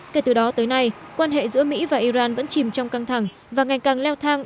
kể từ đó tới nay quan hệ giữa mỹ và iran vẫn chìm trong căng thẳng và ngày càng leo thang